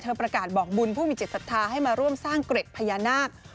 ประกาศบอกบุญผู้มีจิตศรัทธาให้มาร่วมสร้างเกร็ดพญานาค